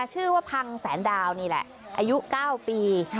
ชื่อว่าพังแสนดาวนี่แหละอายุ๙ปี